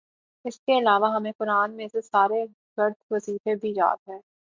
اسکے علاوہ ہمیں قرآن میں سے سارے ورد وظیفے بھی یاد ہیں